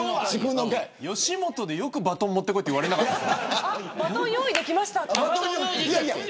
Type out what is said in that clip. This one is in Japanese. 吉本でよくバトン持ってこいって言われなかった。